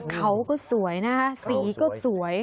เขาก็สวยนะคะสีก็สวย